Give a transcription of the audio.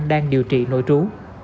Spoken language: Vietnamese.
đang điều trị nội trú